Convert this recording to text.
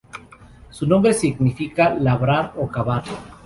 Su nombre significa labrar o cavar.